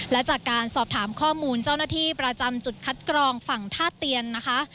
และจากการสอบถามข้อมูลเจ้าหน้าที่ประจำจุดคัดกรองฝั่งท่าเตียนนะคะ